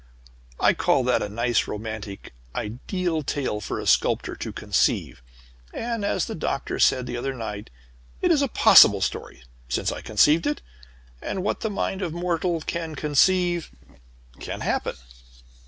I call that a nice romantic, ideal tale for a sculptor to conceive, and as the Doctor said the other night, it is a possible story, since I conceived it, and what the mind of mortal can conceive, can happen."